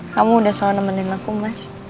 kamu udah selalu nemenin aku mas